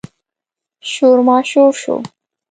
شور ماشور شو.